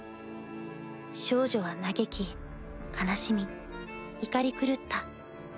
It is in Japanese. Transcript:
少女は嘆き悲しみ怒り狂った。